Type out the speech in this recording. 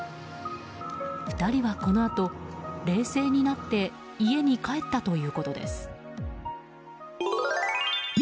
２人はこのあと冷静になって家に帰ったということです。